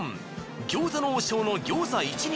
餃子の王将の餃子１人